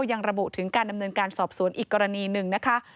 ยังระบุถึงการดำเนินการสอบสวนอีกกรณีหนึ่งนะคะ